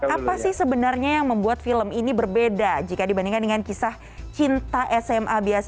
apa sih sebenarnya yang membuat film ini berbeda jika dibandingkan dengan kisah cinta sma biasa